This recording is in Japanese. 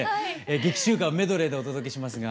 劇中歌をメドレーでお届けしますが。